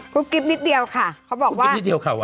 กุ๊บกิ๊บนิดเดียวค่ะเขาบอกว่ากุ๊บกิ๊บนิดเดียวค่ะว่ะ